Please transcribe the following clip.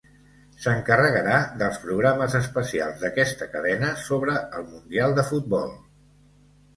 S'encarregarà dels programes especials d'aquesta cadena sobre el Mundial de futbol.